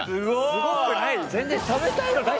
すごくないよ